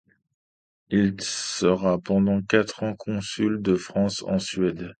Il sera pendant quatre ans consul de France en Suède.